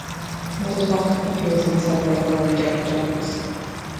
Mothersbaugh appears on several early Devo demos.